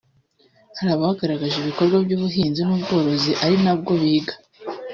Hari abagaragaje ibikorwa by’ubuhinzi n’ubworozi ari nabwo biga